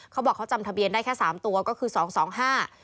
เขาบอกเขาจำทะเบียนได้แค่สามตัวก็คือสองสองห้า